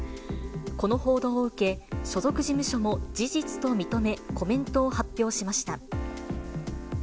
この報道を受け、所属事務所も事実と認め、コメントを発表しました。